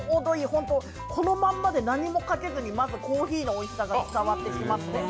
ほんとこのままで何もかけずにまずコーヒーのおいしさが伝わってきますね。